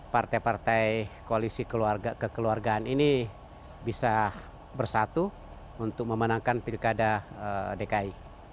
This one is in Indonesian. partai partai koalisi kekeluargaan ini bisa bersatu untuk memenangkan pilkada dki